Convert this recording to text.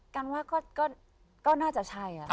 กันว่าก็น่าจะใช่